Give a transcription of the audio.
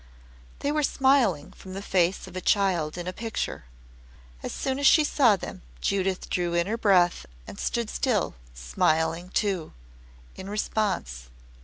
They were smiling from the face of a child in a picture. As soon as she saw them Judith drew in her breath and stood still, smiling, too, in response.